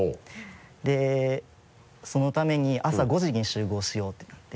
でそのために朝５時に集合しようってなって。